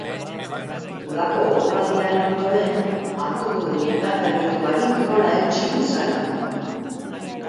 Udako oporraldiaren ondoren hartu dugun indarberrituari nola eutsi luzaroan.